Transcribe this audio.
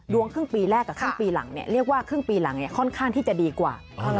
ครึ่งปีแรกกับครึ่งปีหลังเรียกว่าครึ่งปีหลังค่อนข้างที่จะดีกว่า